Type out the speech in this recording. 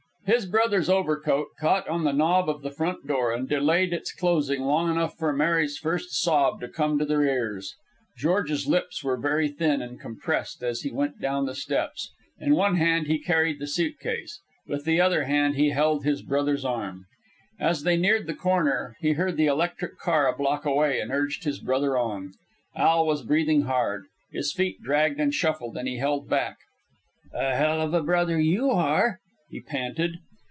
His brother's overcoat caught on the knob of the front door and delayed its closing long enough for Mary's first sob to come to their ears. George's lips were very thin and compressed as he went down the steps. In one hand he carried the suit case. With the other hand he held his brother's arm. As they neared the corner, he heard the electric car a block away, and urged his brother on. Al was breathing hard. His feet dragged and shuffled, and he held back. "A hell of a brother YOU are," he panted.